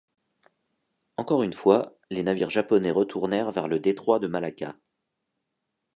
Encore une fois, les navires japonais retournèrent vers le détroit de Malacca.